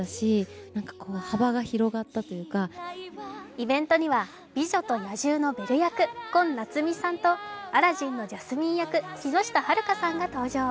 イベントには「美女と野獣」のベル役、昆夏美さんとアラジンのジャスミン役、木下晴香さんが登場。